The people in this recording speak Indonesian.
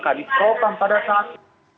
kaliprotan pada saat